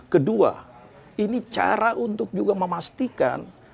kedua ini cara untuk juga memastikan